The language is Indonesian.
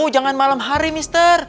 jangan malam hari mister